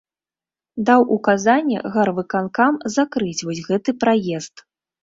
Даў указанне гарвыканкам закрыць вось гэты праезд.